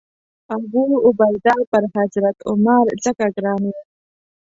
ابوعبیده پر حضرت عمر ځکه ګران و.